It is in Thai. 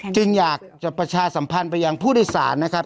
จึงอยากจะประชาสัมพันธ์ไปยังผู้โดยสารนะครับ